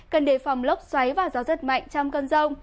cần đề phòng lốc xoáy và gió rất mạnh trong cơn rông